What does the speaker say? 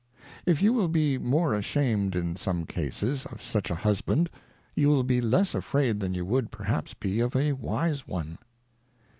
If you will be more ashamed in some Cases, of such a Husband, you will be less afraid than you would perhaps be of a wise one.